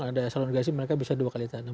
ada saluran irigasi mereka bisa dua kali tanam